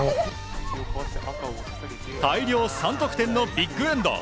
大量３得点のビッグエンド。